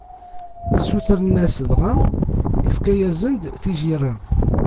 Ssutren-as, dɣa ifka-yasen-d tijirra.